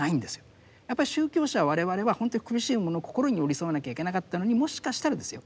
やっぱり宗教者我々はほんとは苦しい者の心に寄り添わなきゃいけなかったのにもしかしたらですよ